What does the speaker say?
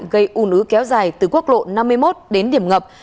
gây ủ nứ kéo dài từ quốc lộ năm mươi một đến điểm ngập